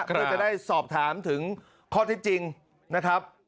เพื่อจะได้สอบถามถึงข้อที่จริงนะครับ